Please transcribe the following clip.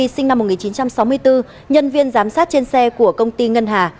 nguyễn bích quy sinh năm một nghìn chín trăm sáu mươi bốn nhân viên giám sát trên xe của công ty ngân hà